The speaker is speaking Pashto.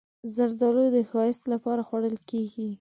زردالو د ښایست لپاره خوړل کېږي.